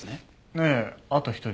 ええあと一人。